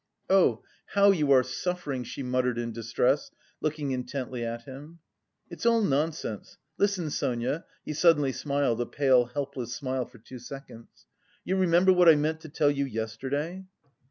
"Oh, how you are suffering!" she muttered in distress, looking intently at him. "It's all nonsense.... Listen, Sonia." He suddenly smiled, a pale helpless smile for two seconds. "You remember what I meant to tell you yesterday?"